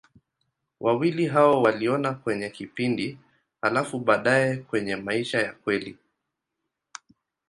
Wawili hao waliona kwenye kipindi, halafu baadaye kwenye maisha ya kweli.